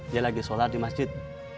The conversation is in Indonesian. dia lagi sholat di masjid